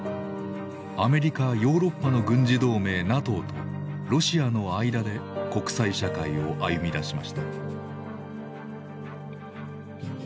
アメリカ・ヨーロッパの軍事同盟ＮＡＴＯとロシアの間で国際社会を歩みだしました。